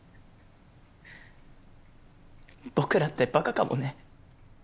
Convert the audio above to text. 僕らってバカかもね。